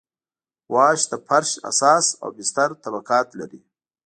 واش د فرش اساس او بستر طبقات لري